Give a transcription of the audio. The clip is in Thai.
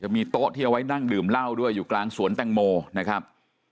มีโต๊ะที่เอาไว้นั่งดื่มเหล้าด้วยอยู่กลางสวนแตงโมนะครับ